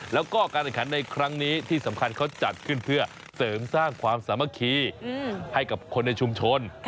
แล้วก็การแข่งขันในครั้งนี้ที่สำคัญเขาจัดขึ้นเพื่อเสริมสร้างความสามัคคีให้กับคนในชุมชน